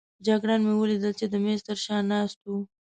جګړن مې ولید چې د مېز تر شا ناست وو.